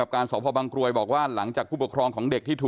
การสพบังกรวยบอกว่าหลังจากผู้ปกครองของเด็กที่ถูก